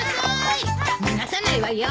逃がさないわよー！